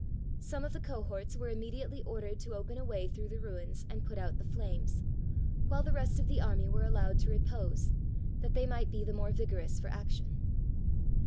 Some of the cohorts were immediately ordered to open a way through the ruins and put out the flames, while the rest of the army were allowed to repose, that they might be the more vigorous for action.